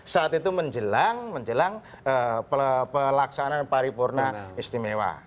saat itu menjelang menjelang pelaksanaan paripurna istimewa